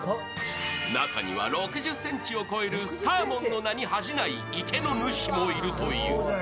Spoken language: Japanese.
中には６０ｃｍを超えるサーモンの名に恥じない池の主もいるという。